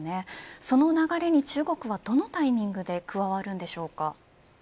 その流れに中国はどのタイミングで加わるのでしょうか。